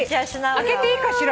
開けていいかしら？